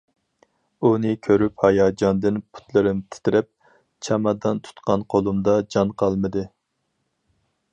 ئۇنى كۆرۈپ ھاياجاندىن پۇتلىرىم تىترەپ، چامادان تۇتقان قولۇمدا جان قالمىدى.